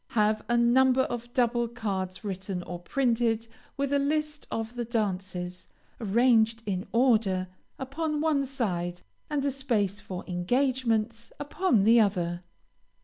Have a number of double cards written or printed with a list of the dances, arranged in order, upon one side, and a space for engagements upon the other.